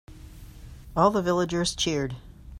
All the villagers cheered.